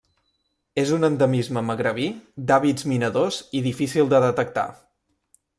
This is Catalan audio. És un endemisme magrebí, d'hàbits minadors i difícil de detectar.